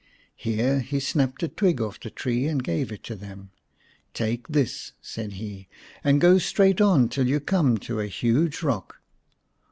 Here lie snapped a twig off the tree and gave it to them. " Take this," said he, " and go straight on till you come to a huge rock.